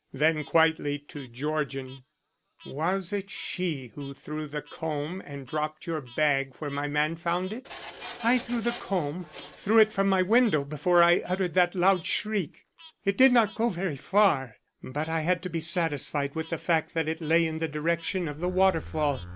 Then quietly to Georgian: "Was it she who threw the comb and dropped your bag where my man found it?" "I threw the comb; threw it from my window before I uttered that loud shriek. It did not go very far; but I had to be satisfied with the fact that it lay in the direction of the waterfall.